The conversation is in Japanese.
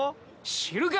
知るか。